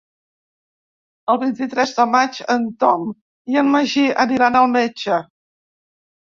El vint-i-tres de maig en Tom i en Magí aniran al metge.